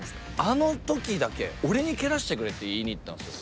あの時だけ俺に蹴らせてくれって言いにいったんですよ。